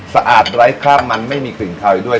สะอาดไร้ค่ามันไม่มีกลิ่นคายด้วย